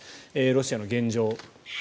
ロシアの現状。